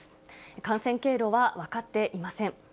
感染経路は分かっていません。